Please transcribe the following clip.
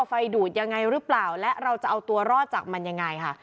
ไฟดูดยังไงหรือเปล่าและเราจะเอาตัวรอดจากมันยังไงค่ะ